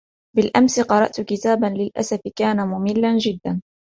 بالأمس قرأت كتاباً للأسف كان مُملاً جداً.